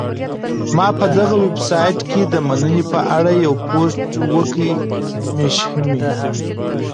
ما په دغه ویبسایټ کي د مننې په اړه یو پوسټ وکهمېشهی.